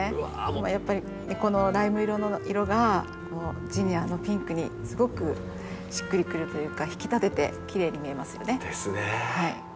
やっぱりこのライム色がジニアのピンクにすごくしっくりくるというか引き立ててきれいに見えますよね。